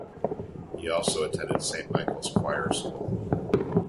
He also attended Saint Michael's Choir School.